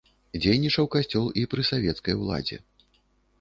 Дзейнічаў касцёл і пры савецкай уладзе.